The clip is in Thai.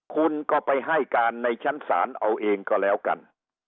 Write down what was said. คุณก็ไปให้การในชั้นศาลเอาเองก็แล้วกัน